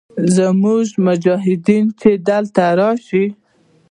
زموږ مجاهدین چې دلته راشي.